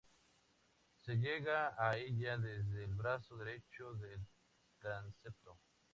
Se llega a ella desde el brazo derecho del transepto.